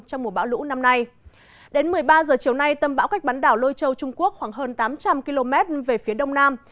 một mươi ba h chiều nay tâm bão cách bắn đảo lôi châu trung quốc khoảng hơn tám trăm linh km về phía đông nam